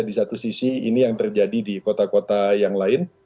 di satu sisi ini yang terjadi di kota kota yang lain